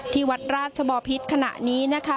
ที่วัดราชบอพิษขณะนี้นะคะ